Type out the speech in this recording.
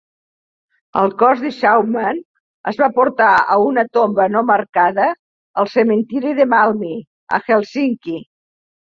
El cos de Schauman es va portar a una tomba no marcada al cementiri de Malmi, a Hèlsinki.